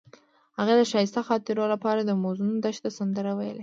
هغې د ښایسته خاطرو لپاره د موزون دښته سندره ویله.